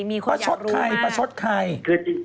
มีคนอยากรู้มากประชดใครประชดใครคือจริง